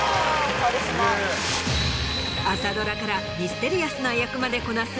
朝ドラからミステリアスな役までこなす。